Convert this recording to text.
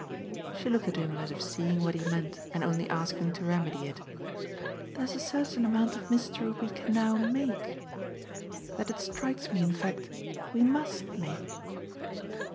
She looked at him as if seeing what he meant and only asking to remedy it. "There's a certain amount of mystery we can now MAKE that it strikes me in fact we MUST make.